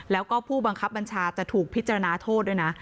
แล้วก็ผู้บังคับบัญชาจะถูกพิจารณาโทษด้วยนะ